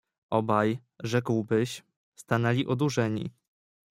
"Obaj, rzekłbyś, stanęli odurzeni."